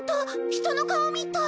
人の顔みたい！